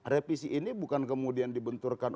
revisi ini bukan kemudian dibenturkan